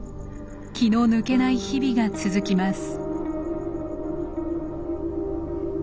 気の抜けない日々が続きます。